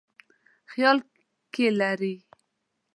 خیال کې لري.